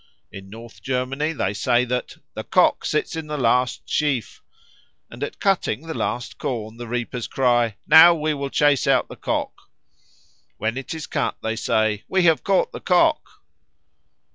In North Germany they say that "the Cock sits in the last sheaf"; and at cutting the last corn the reapers cry, "Now we will chase out the Cock." When it is cut they say, "We have caught the Cock."